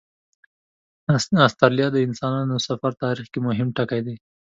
استرالیا ته د انسانانو سفر تاریخ کې مهم ټکی دی.